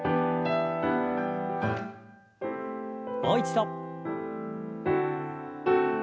もう一度。